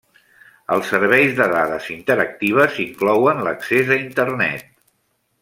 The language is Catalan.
Els serveis de dades interactives inclouen l'accés a Internet.